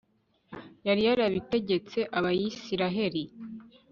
yari yarabitegetse abayisraheli